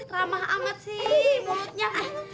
ramah amat sih mulutnya